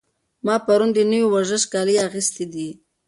ما پرون د نوي ورزشي کالي اخیستي دي.